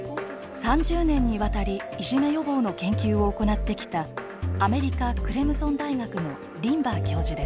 ３０年にわたりいじめ予防の研究を行ってきたアメリカクレムゾン大学のリンバー教授です。